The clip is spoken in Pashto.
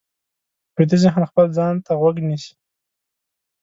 ویده ذهن خپل ځان ته غوږ نیسي